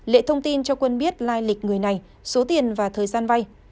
lệ thông tin cho quân biết lai lịch người này số tiền và thời gian vay